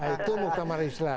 itu muktamar islah